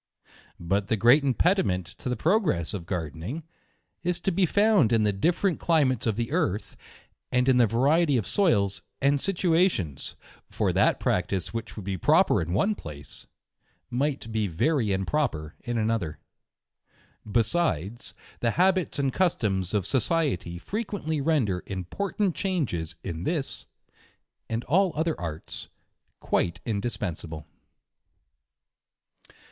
But the great impediment to the progress of Gardening is to be found in the different climates of the earth, and in the variety of soils and situations : For that practice which would be proper in one place, might be very improper in another. Besides, the habits and customs of society fre quently render important changes in this, and all other arts, quite indispensable.